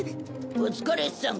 お疲れさん！